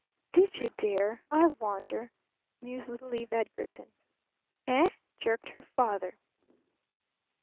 "Did you, dear? I wonder?" mused little Eve Edgarton. "Eh?" jerked her father.